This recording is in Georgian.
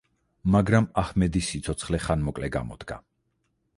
მაგრამ აჰმედის სიცოცხლე ხანმოკლე გამოდგა.